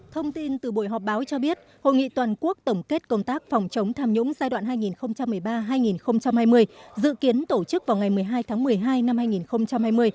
thông tin từ buổi họp báo cho biết hội nghị toàn quốc tổng kết công tác phòng chống tham nhũng giai đoạn hai nghìn một mươi ba hai nghìn hai mươi dự kiến tổ chức vào ngày một mươi hai tháng một mươi hai năm hai nghìn hai mươi